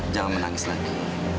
jangan menangis lagi